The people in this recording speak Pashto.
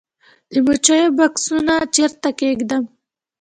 د مچیو بکسونه چیرته کیږدم؟